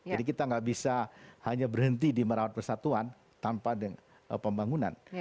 jadi kita tidak bisa hanya berhenti di merawat persatuan tanpa pembangunan